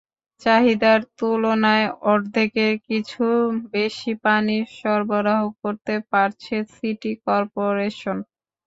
চাহিদার তুলনায় অর্ধেকের কিছু বেশি পানি সরবরাহ করতে পারছে সিটি করপোরেশন।